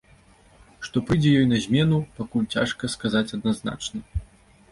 Што прыйдзе ёй на змену, пакуль цяжка сказаць адназначна.